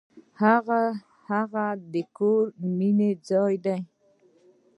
هغه کور د مینې ځای و.